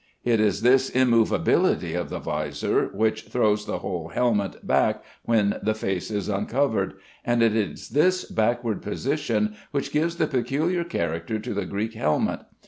It is this immovability of the vizor which throws the whole helmet back when the face is uncovered, and it is this backward position which gives the peculiar character to the Greek helmet.